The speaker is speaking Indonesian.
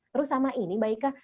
terus sama ini mbak ika